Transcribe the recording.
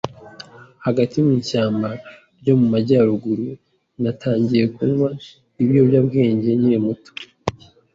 hagati mu ishyamba ryo mu majyaruguru. Natangiye kunywa ibiyobyabwenge nkiri muto,